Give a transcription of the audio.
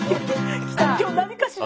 今日何かしら。